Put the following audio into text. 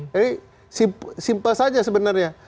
jadi simpel saja sebenarnya